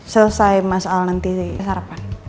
selesai masalah nanti sarapan